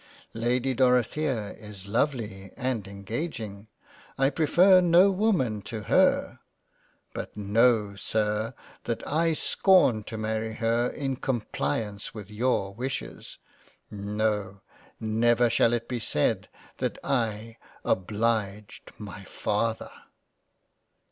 Lady Dorothea is lovely and En gaging ; I prefer no woman to her ; but know Sir, that I scorn to marry her in compliance with your Wishes. No ! Never shall it be said that I obliged my Father."